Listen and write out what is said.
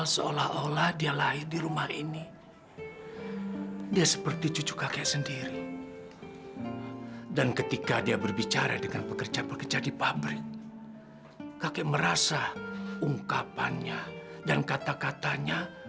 sampai jumpa di video selanjutnya